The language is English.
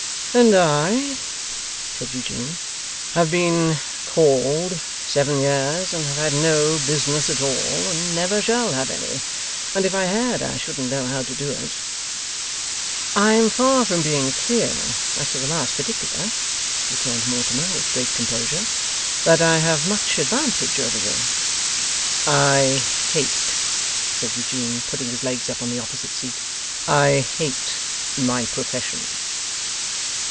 'And I,' said Eugene, 'have been "called" seven years, and have had no business at all, and never shall have any. And if I had, I shouldn't know how to do it.' 'I am far from being clear as to the last particular,' returned Mortimer, with great composure, 'that I have much advantage over you.' 'I hate,' said Eugene, putting his legs up on the opposite seat, 'I hate my profession.